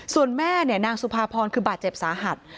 ส่วนแม่นางสุภาพรคือบาดเจ็บสาหัส